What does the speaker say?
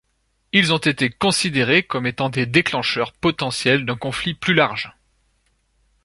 Ils ont été considérés comme étant des déclencheurs potentiels d'un conflit plus large.